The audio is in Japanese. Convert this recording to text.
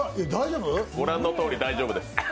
ご覧のとおり大丈夫です。